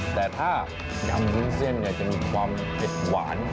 แต่ถ้ายำวุ้นเส้นจะมีความเผ็ดหวาน